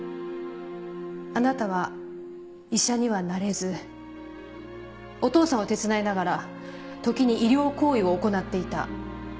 あなたは医者にはなれずお父さんを手伝いながら時に医療行為を行っていた。